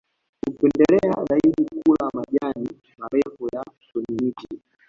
Hupendelea zaidi kula majani marefu ya kwenye miti